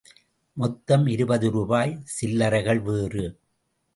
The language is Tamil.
மொத்தம் இருபது ரூபாய்! – சில்லறைகள் வேறு!